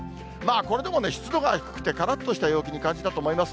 これでも湿度が低くてからっとした陽気に感じたと思います。